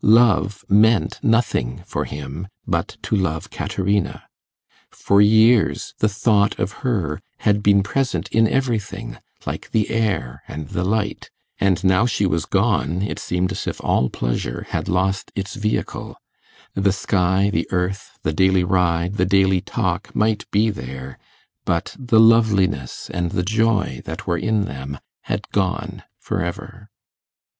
Love meant nothing for him but to love Caterina. For years, the thought of her had been present in everything, like the air and the light; and now she was gone, it seemed as if all pleasure had lost its vehicle: the sky, the earth, the daily ride, the daily talk might be there, but the loveliness and the joy that were in them had gone for ever.